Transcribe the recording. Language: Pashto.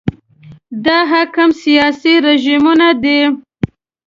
دا حاکم سیاسي رژیمونه دي.